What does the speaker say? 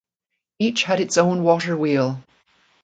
Each had its own water wheel.